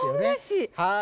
はい。